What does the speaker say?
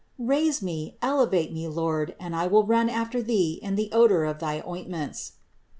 Raise me, elevate me, Lord, and I will run after Thee in the odor of thy ointments.